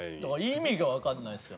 意味がわかんないですよ。